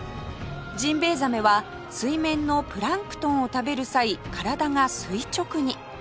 ジンベエザメは水面のプランクトンを食べる際体が垂直に